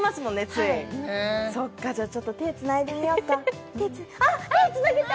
ついそっかじゃあちょっと手つないでみよっかあっ手つなげた！